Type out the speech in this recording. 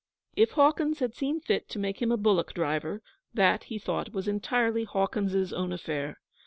If Hawkins had seen fit to make him a bullock driver, that, he thought, was entirely Hawkins's own affair.